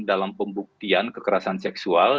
dalam pembuktian kekerasan seksual